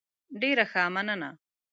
ډیر ښه، مننه.